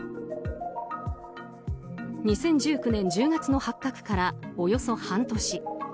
２０１９年１０月の発覚からおよそ半年。